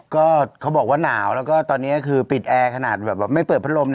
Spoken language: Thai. ก็เขาบอกว่าหนาวแล้วก็ตอนนี้คือปิดแอร์ขนาดแบบไม่เปิดพัดลมนะ